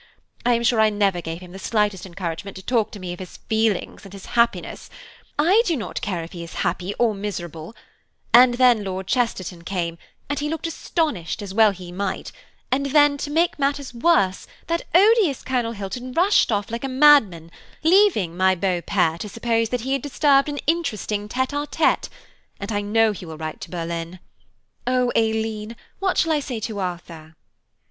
I am sure I never gave him the slightest encouragement to talk to me of his feelings, and his happiness–I do not care if he is happy, or miserable; and then Lord Chesterton came, and he looked astonished, as well he might, and then, to make matters worse, that odious Colonel Hilton rushed off like a madman leaving my beau père to suppose that he had disturbed an interesting tête à tête, and I know he will write to Berlin. Oh, Aileen! what shall I say to Arthur?"